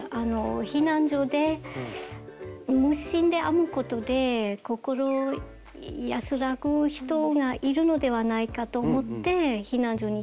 避難所で無心で編むことで心安らぐ人がいるのではないかと思って避難所に毛糸を送ったんですね。